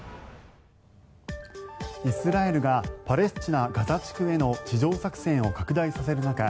イスラエルがパレスチナ・ガザ地区への地上作戦を拡大させる中